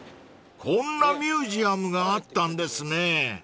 ［こんなミュージアムがあったんですね］